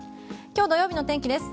今日土曜日の天気です。